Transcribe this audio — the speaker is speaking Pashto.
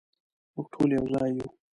مونږ ټول یو ځای یو